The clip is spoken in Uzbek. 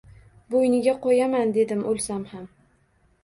Bo‘yniga ko‘yaman dedim, o‘lsam ham